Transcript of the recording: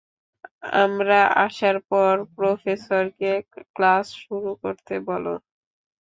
আমরা আসার পর প্রফেসরকে ক্লাস শুরু করতে বলো।